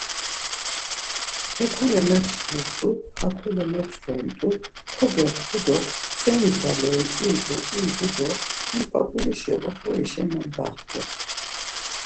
Hekole metsxont̆u, hakole motsxont̆u, kogextu do serindğaleri idu idu do hem p̌ap̌ulişi oxorişa mendaxtu.